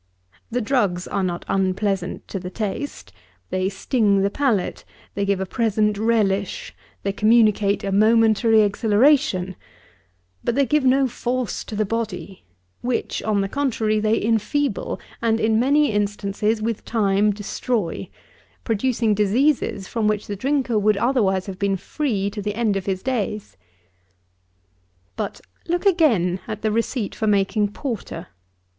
The drugs are not unpleasant to the taste; they sting the palate: they give a present relish: they communicate a momentary exhilaration: but, they give no force to the body, which, on the contrary, they enfeeble, and, in many instances, with time, destroy; producing diseases from which the drinker would otherwise have been free to the end of his days. 73. But, look again at the receipt for making porter.